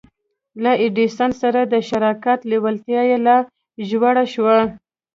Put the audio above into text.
له ايډېسن سره د شراکت لېوالتیا يې لا ژوره شوه.